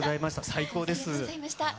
最高です。